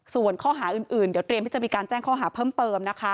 ส่วนข้อหาอื่นเดี๋ยวเตรียมที่จะมีการแจ้งข้อหาเพิ่มเติมนะคะ